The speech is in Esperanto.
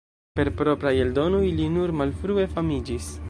Per propraj eldonoj li nur malfrue famiĝis.